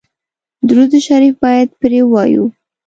درود شریف باید پرې ووایو.